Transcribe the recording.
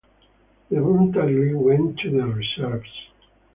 He voluntarily went to the reserves.